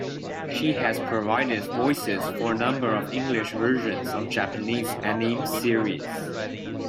She has provided voices for a number of English versions of Japanese anime series.